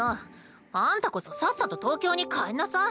あんたこそさっさと東京に帰んなさい。